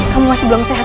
kamu masih belum sehat